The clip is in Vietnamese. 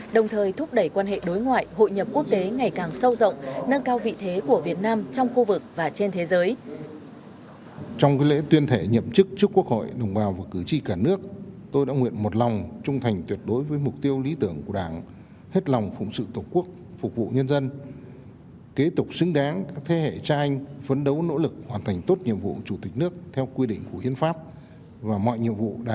đồng thời thúc đẩy quan hệ đối ngoại hội nhập quốc tế ngày càng sâu rộng nâng cao vị thế của việt nam trong khu vực và trên thế giới